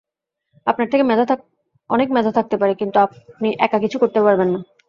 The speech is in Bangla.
আপনার অনেক মেধা থাকতে পারে, কিন্তু আপনি একা কিছু করতে পারবেন না।